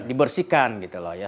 dibersihkan gitu loh ya